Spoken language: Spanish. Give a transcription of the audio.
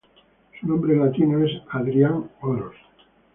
Su nombre latino es "Adrian oros.